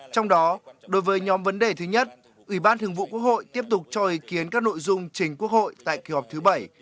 trong đó đối với nhóm vấn đề thứ nhất ủy ban thường vụ quốc hội tiếp tục cho ý kiến các nội dung trình quốc hội tại kỳ họp thứ bảy